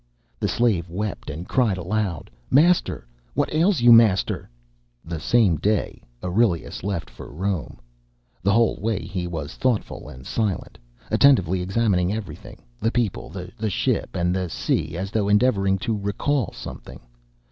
The slave wept and cried aloud: "Master, what ails you, Master!" The same day Aurelius left for Rome. The whole way he was thoughtful and silent, attentively examining everything, the people, the ship, and the sea, as though endeavouring to recall something.